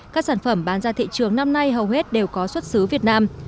các sản phẩm bán ra thị trường năm nay hầu hết đều có xuất xứ việt nam